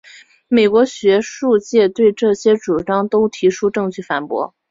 美国学术界对这些主张都提出证据反驳。